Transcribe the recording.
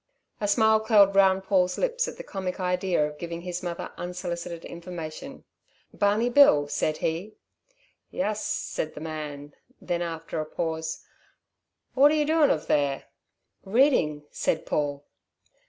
A smile curled round Paul's lips at the comic idea of giving his mother unsolicited information. "Barney Bill?" said he. "Yuss," said the man. Then, after a pause, "What are you doing of there?" "Reading," said Paul.